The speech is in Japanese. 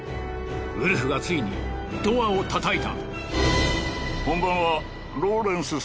ウルフがついにドアを叩いた。